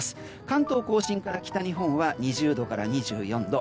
関東・甲信から北日本は２０度から２４度。